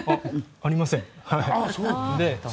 ありません。